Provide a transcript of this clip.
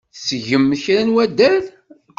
Tettgem kra n waddal?